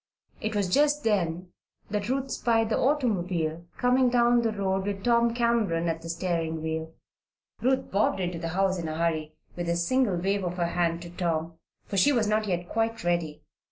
It was just then that Ruth spied the automobile coming down the road with Tom Cameron at the steering wheel. Ruth bobbed into the house in a hurry, with a single wave of her hand to Tom, for she was not yet quite ready.